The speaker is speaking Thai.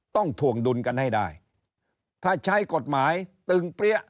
ถ่วงดุลกันให้ได้ถ้าใช้กฎหมายตึงเปรี้ย